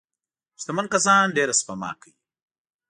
شتمن کسان ډېره سپما کوي.